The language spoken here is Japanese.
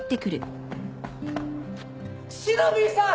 しのびぃさん！